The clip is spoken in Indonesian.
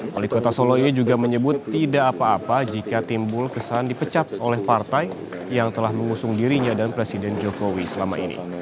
wali kota solo ini juga menyebut tidak apa apa jika timbul kesan dipecat oleh partai yang telah mengusung dirinya dan presiden jokowi selama ini